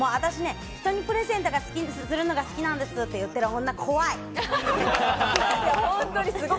人にプレゼントするのが好きなんですって言ってる女、怖い。